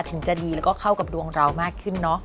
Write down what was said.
ถึงจะดีแล้วก็เข้ากับดวงเรามากขึ้นเนอะ